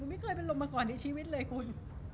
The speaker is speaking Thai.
ไม่เคยเป็นลมมาก่อนในชีวิตเลยคุณ